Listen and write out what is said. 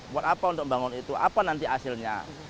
buat apa untuk membangun itu apa nanti hasilnya